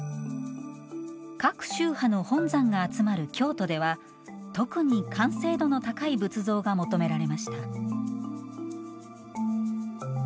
各宗派の本山が集まる京都では特に完成度の高い仏像が求められました。